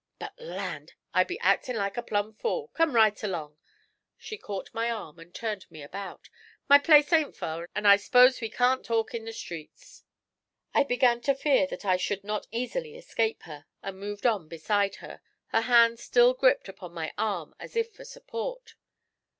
But, land! I be actin' like a plum fool. Come right along!' She caught my arm and turned me about. 'My place ain't fur, and I s'pose we can't talk in the streets.' I began to fear that I should not easily escape her, and moved on beside her, her hand still gripped upon my arm as if for support.